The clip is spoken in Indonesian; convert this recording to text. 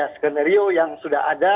skenario yang sudah ada